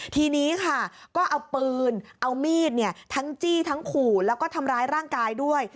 ทีนี้ค่ะก็เอาปืนเอามีดทั้งจี้ทั้งขู่แล้วก็ทำร้ายร่างกายด้วย